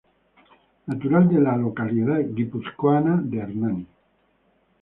Natural de la localidad guipuzcoana de Hernani.